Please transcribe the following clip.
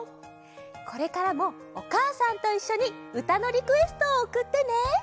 これからも「おかあさんといっしょ」にうたのリクエストをおくってね！